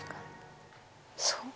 そう。